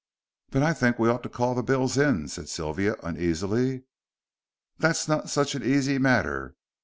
"But I think we ought to call the bills in," said Sylvia, uneasily. "That's not such an easy matter.